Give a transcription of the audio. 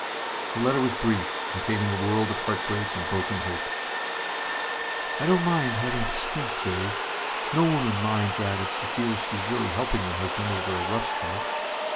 The letter was brief, containing a world of heartbreak and broken hopes. "I don't mind having to scrimp, Dave. No woman minds that if she feels she is really helping her husband over a rough spot.